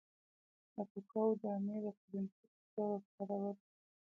د ککو دانې د کرنسۍ په توګه کارولې.